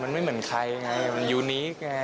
มันไม่เหมือนใครไงมันยูนิฟไง